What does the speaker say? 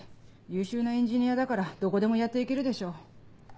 優秀なエンジニアだからどこでもやって行けるでしょ。